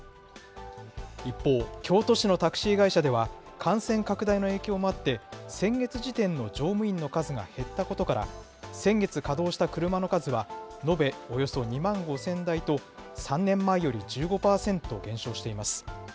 一方、京都市のタクシー会社では、感染拡大の影響もあって、先月時点の乗務員の数が減ったことから、先月稼働した車の数は、延べおよそ２万５０００台と、３年前より１５％減少しています。